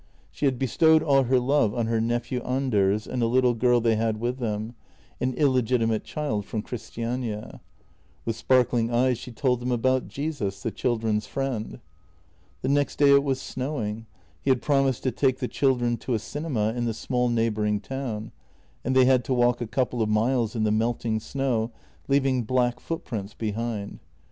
She had bestowed all her love on her nephew Anders and a little girl they had with them — an illegitimate child from Christiania. With sparkling eyes she told them about Jesus, the children's Friend. The next day it was snowing; he had promised to take the children to a cinema in the small neighbouring town, and they had to walk a couple of miles in the melting snow, leaving black footprints behind.